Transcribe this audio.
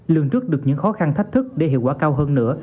lường trước được những khó khăn thách thức để hiệu quả cao hơn nữa